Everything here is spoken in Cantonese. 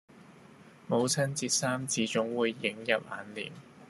母親節三字總會映入眼廉